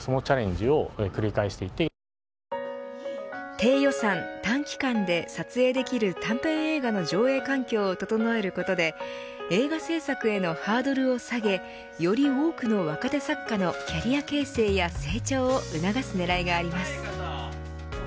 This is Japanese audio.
低予算、短期間で撮影できる短編映画の上映環境を整えることで映画制作へのハードルを下げより多くの若手作家のキャリア形成や成長を促す狙いがあります。